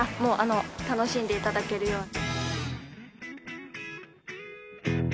楽しんで頂けるように。